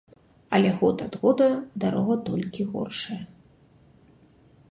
Але год ад года дарога толькі горшае.